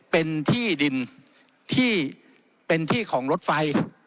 เป็นที่ดินที่เป็นที่ของรถไฟ